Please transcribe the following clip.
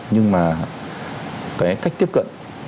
nhưng mà cái cách tiếp cận